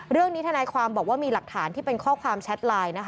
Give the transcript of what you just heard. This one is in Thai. ทนายความบอกว่ามีหลักฐานที่เป็นข้อความแชทไลน์